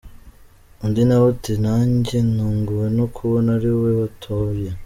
Undi nawe ati nanjye ntunguwe no kubona ariwe wantoye.